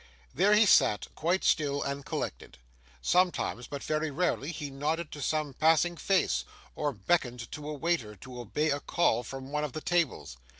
There he sat, quite still and collected. Sometimes, but very rarely, he nodded to some passing face, or beckoned to a waiter to obey a call from one of the tables.